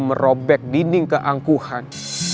merobek dinding keangkuhan